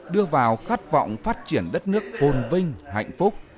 đưa vào khát vọng phát triển đất nước phồn vinh hạnh phúc